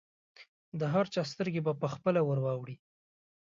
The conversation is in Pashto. د هر چا سترګې به پخپله ورواوړي.